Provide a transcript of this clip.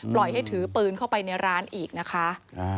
ปล่อยให้ถือปืนเข้าไปในร้านอีกนะคะ